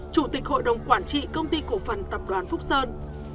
chủ tịch hội đồng quản trị công ty cổ phần tập đoàn phúc sơn